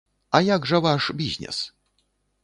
А як жа ваш бізнес?